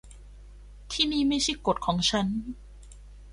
ที่นี่ไม่ใช่กฎของฉัน